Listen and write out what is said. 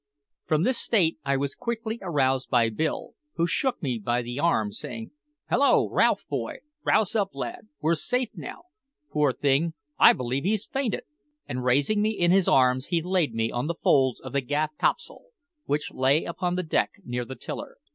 From this state I was quickly aroused by Bill, who shook me by the arm, saying: "Hallo, Ralph, boy! Rouse up, lad; we're safe now! Poor thing! I believe he's fainted." And raising me in his arms he laid me on the folds of the gaff topsail, which lay upon the deck near the tiller.